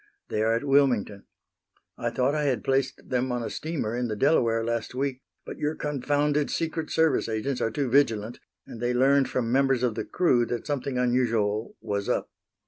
They are at Wilmington. I thought I had placed them on a steamer in the Delaware last week, but your confounded Secret Service agents are too vigilant, and they learned from members of the crew that something unusual was up.